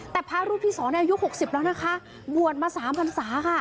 แต่พระรูปที่๒อายุ๖๐แล้วนะคะบวชมา๓พันศาค่ะ